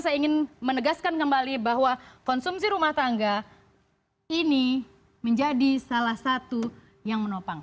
saya ingin menegaskan kembali bahwa konsumsi rumah tangga ini menjadi salah satu yang menopang